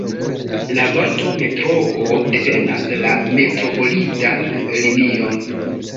La vorto "Metroo" devenas la Metropolitan-Linio.